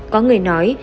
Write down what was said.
có người nói